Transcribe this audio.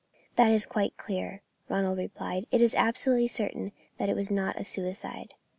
"That is quite clear," Ronald replied. "It is absolutely certain that it was not a suicide."